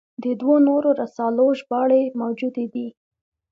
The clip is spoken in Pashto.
د دوو نورو رسالو ژباړې موجودې دي.